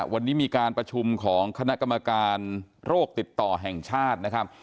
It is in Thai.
วันนี้มีการประชุมของคณะกรรมการโรคติดต่อแห่งชาตินะครับ